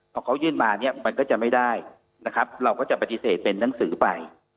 พอเขายื่นมาเนี่ยมันก็จะไม่ได้นะครับเราก็จะปฏิเสธเป็นนังสือไป